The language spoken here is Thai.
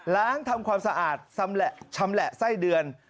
ทำความสะอาดชำแหละไส้เดือน